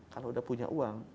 kalau sudah punya uang